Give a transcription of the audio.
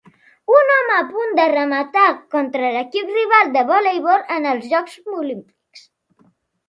Un home a punt de rematar contra l'equip rival de voleibol en els Jocs Olímpics.